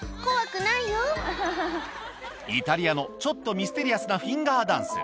イタリアのちょっとミステリアスなフィンガーダンス。